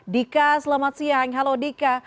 dika selamat siang halo dika